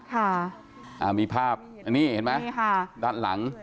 ค่ะมีภาพนี่เห็นไหมด้านหลัง